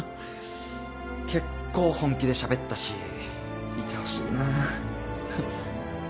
けっこう本気でしゃべったしいてほしいなははっ。